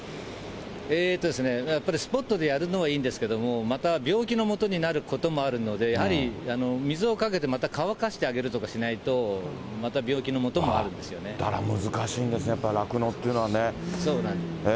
やっぱりスポットでやるのはいいんですけれども、また病気のもとになることもあるので、やはり水をかけてまた乾かしてあげるとかしないと、だから難しいんですね、そうなんです。